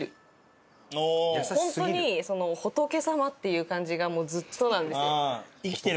本当に仏様っていう感じがもうずっとなんですよ。